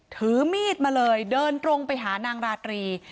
ถือมีดมาเลยเดินตรงไปหานางราตรี